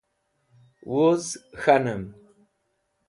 Wuz k̃hanẽm